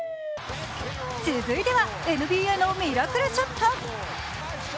続いてはＮＢＡのミラクルショット。